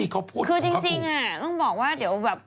คือจริงอ่ะต้องบอกว่าเดี๋ยวแบบ